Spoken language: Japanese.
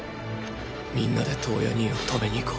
みんなで燈矢兄を止めに行こう。